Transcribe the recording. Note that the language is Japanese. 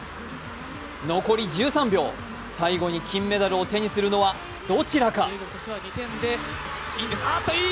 残り１３秒、最後に金メダルを手にするのはどちらか？